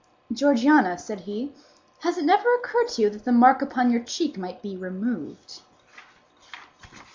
"Georgiana," said he, "has it never occurred to you that the mark upon your cheek might be removed?"